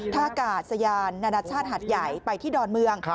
ท่ากาศยานนานาชาติหัดใหญ่ไปที่ดอนเมือง